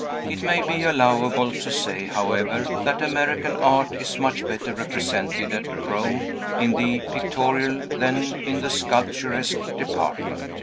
It may be allowable to say, however, that American art is much better represented at Rome in the pictorial than in the sculpturesque department.